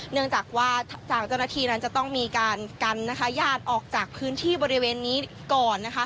เนื่องจากว่าทางเจ้าหน้าที่นั้นจะต้องมีการกันนะคะญาติออกจากพื้นที่บริเวณนี้ก่อนนะคะ